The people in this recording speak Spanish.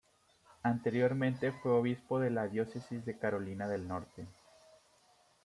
Anteriormente fue obispo de la Diócesis de Carolina del Norte.